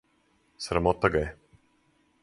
Срамота га је.